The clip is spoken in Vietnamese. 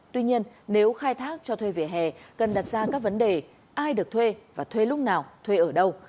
tuy nhiên nếu khai thác cho thuê về hè cần đặt ra các vấn đề ai được thuê và thuê lúc nào thuê ở đâu